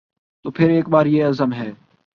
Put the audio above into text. تو پھر ایک بار یہ عزم ہے